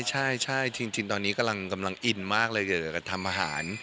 ใช่จริงตอนนี้กำลังอินมากเลยเกี่ยวกับทำอาหาร